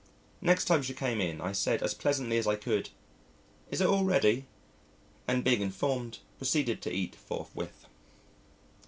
Next time she came in, I said as pleasantly as I could, "Is it all ready?" and being informed proceeded to eat forthwith.